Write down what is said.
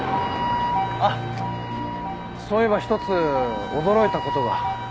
あっそういえば１つ驚いたことが。